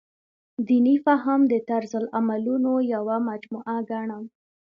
دیني فهم د طرزالعملونو یوه مجموعه ګڼم.